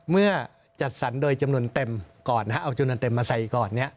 เมื่อจัดสรรโดยจำนวนเต็มก่อนเอาจำนวนเต็มมาใส่ก่อน